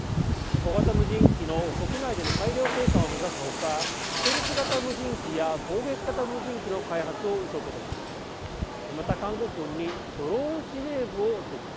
小型無人機の国内での大量生産を目指す他ステルス型無人機や攻撃型無人機の開発を急ぐことにしています。